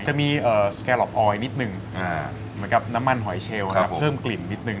จะมีสแกรอปออยนิดนึงเหมือนกับน้ำมันหอยเชลเพิ่มกลิ่นนิดนึ